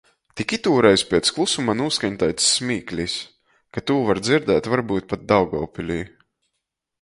Tik itūreiz piec klusuma nūskaņ taids smīklys, ka tū var dzierdēt varbyut pat Daugovpilī.